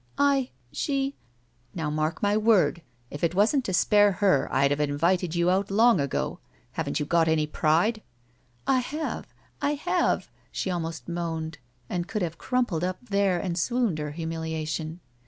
" "I— She—" "Now mark my word, if it wasn't to spare her I'd have invited you out long ago. Haven't you got any pride?" "I have. I have," she almost moaned, and could have crumpled up there and swooned her humiliation.